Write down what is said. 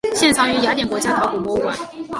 现藏于雅典国家考古博物馆。